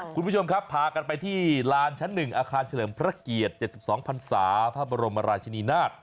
คุณผู้ชมครับพากันไปที่ลานชั้น๑อาคารเฉลิมพระเกียรติ๗๒พันศาพระบรมราชินีนาฏ